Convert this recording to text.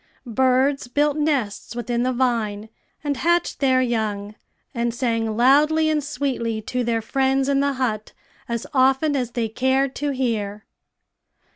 Birds built nests within the vine, and hatched their young, and sang loudly and sweetly to their friends in the hut as often as they cared to hear.